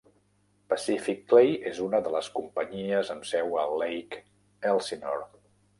Pacific Clay és una de les companyies amb seu a Lake Elsinore.